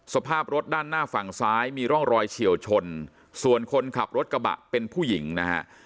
สภาพรถด้านหน้าฝั่งซ้ายมีร่องรอยเฉียวชนส่วนคนขับรถกระบะเป็นผู้หญิงนะฮะ